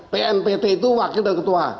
pnpt itu wakil dan ketua